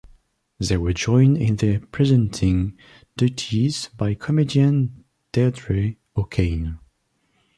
They were joined in their presenting duties by comedian Deirdre O' Kane.